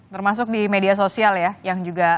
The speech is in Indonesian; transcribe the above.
termasuk di media sosial ya yang juga